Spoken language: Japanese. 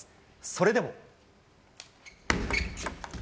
それでも。